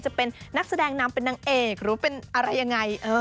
จะเป็นนักแสดงนำเป็นนางเอกหรือเป็นอะไรยังไง